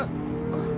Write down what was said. あっ。